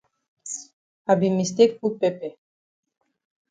I be mistake put pepper.